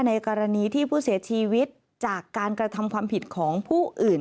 ในกรณีที่ผู้เสียชีวิตจากการกระทำความผิดของผู้อื่น